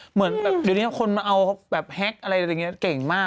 เหมือนเดี๋ยวนี้คนมาเอาแบบแฮกอะไรอย่างนี้เก่งมากเลย